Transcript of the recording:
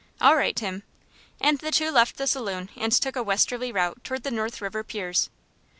"All right, Tim." And the two left the saloon and took a westerly route toward the North River piers.